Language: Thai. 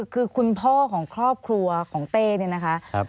คือคุณพ่อของครอบครัวของเต้เนี่ยนะคะ